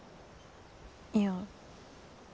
いや。